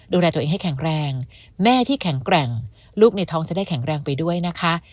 ดูแลตัวเองให้แข็งแรงแม่ที่แข็งแกร่งลูกในท้องจะได้แข็งแรงไปด้วยนะคะ